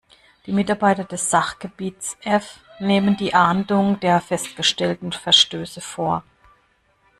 Die Mitarbeiter des Sachgebiets F nehmen die Ahndung der festgestellten Verstöße vor.